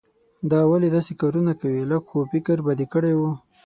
دا ولې داسې کارونه کوې؟ لږ خو فکر به دې کړای وو.